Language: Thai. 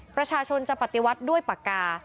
ประชาชนจะปฏิวัติด้วยปากกา